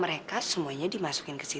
relacionasi ibadah sektor muslim